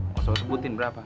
masa lo sebutin berapa